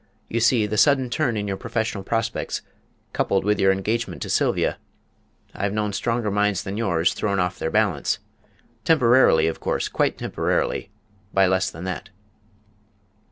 You see, the sudden turn in your professional prospects, coupled with your engagement to Sylvia I've known stronger minds than yours thrown off their balance temporarily, of course, quite temporarily by less than that."